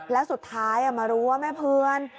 แล้วสุดท้ายมารู้ว่าแม่เพื่อน